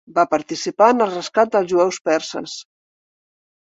Va participar en el rescat dels jueus perses.